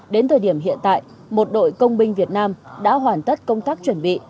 đến thời điểm hiện tại một đội công binh việt nam đã hoàn tất công tác chuẩn bị